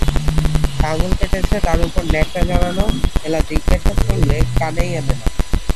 আঙুল কেটেছে, তার উপরে ন্যাকড়া জড়ানো, এলা জিজ্ঞাসা করলে কানেই আনে না।